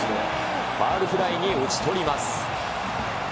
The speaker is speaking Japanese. ファウルフライに打ち取ります。